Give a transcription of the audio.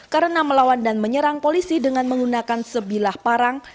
karena melawan dan menyerang polisi dengan menggunakan sebilah parang